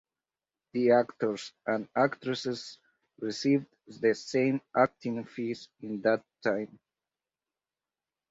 The actors and actresses received the same acting fees in that time.